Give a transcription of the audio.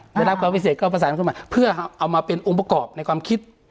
และรับความพิเศษก็เอาภาษาอังกฤษมาเพื่อเอามาเป็นองค์ประกอบในความคิด